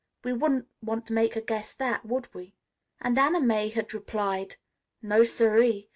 We wouldn't want to make her guess that, would we?" And Anna May had replied: "No, siree.